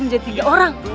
menjadi tiga orang